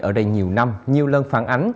ở đây nhiều năm nhiều lần phản ánh